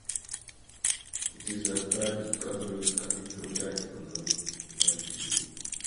It is the third Catholic cathedral church for Nashville.